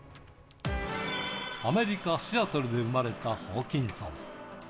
アメリカ・シアトルで生まれたホーキンソン。